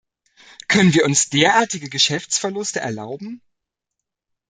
Können wir uns derartige Geschäftsverluste erlauben?